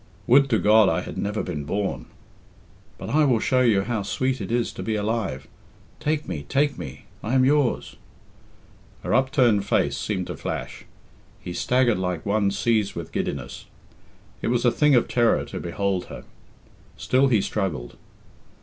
"Would to God I had never been born!" "But I will show you how sweet it is to be alive. Take me, take me I am yours!" Her upturned face seemed to flash. He staggered like one seized with giddiness. It was a thing of terror to behold her. Still he struggled.